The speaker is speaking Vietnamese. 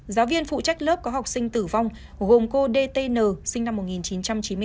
giáo viên phụ trách lớp có học sinh tử vong gồm cô dtn sinh năm một nghìn chín trăm chín mươi sáu